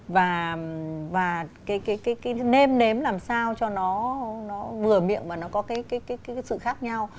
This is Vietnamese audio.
và cái nêm nếm làm sao cho nó vừa miệng mà nó có cái sự khác nhau